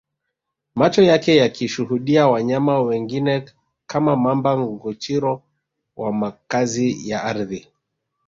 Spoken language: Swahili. Macho yake yakishuhudia wanyama wengine kama Mamba Nguchiro wa makazi ya ardhi